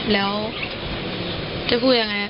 แล้วจะพูดยังไง